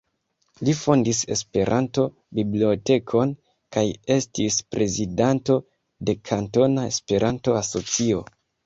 Li fondis Esperanto-bibliotekon, kaj estis prezidanto de Kantona Esperanto-Asocio.